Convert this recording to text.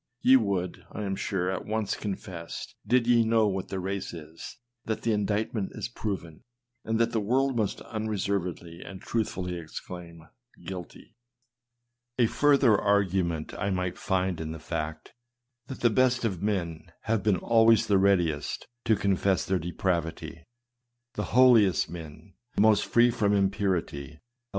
Ye would, I am sure, at once confess, did ye know 'what the race is, that the indictment is proven, and that the world must unreservedly and truthfully exclaim, " guilty." A further argument I might find in the fact, that the best of men have been always the readiest to confess their depravity.